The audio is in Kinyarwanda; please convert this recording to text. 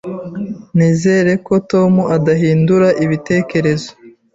Nizere ko Tom adahindura ibitekerezo.